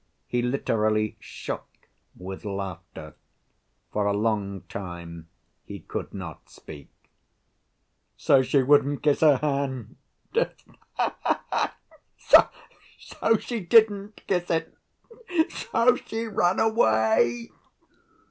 He literally shook with laughter. For a long time he could not speak. "So she wouldn't kiss her hand! So she didn't kiss it; so she ran away!"